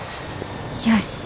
よし。